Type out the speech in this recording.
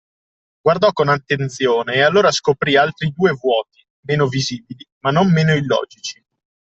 Guardò con attenzione e allora scoprì altri due vuoti, meno visibili, ma non meno illogici.